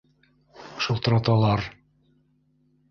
Шылтыраталар!...